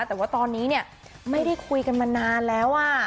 แต่ว่าตอนนี้เนี่ยไม่ได้คุยกันมานานแล้ว